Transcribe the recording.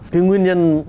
cái nguyên nhân